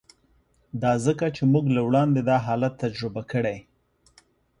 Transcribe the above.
دا ځکه چې موږ له وړاندې دا حالت تجربه کړی دی